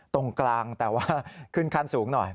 ตรงกลางแต่ว่าขึ้นขั้นสูงหน่อย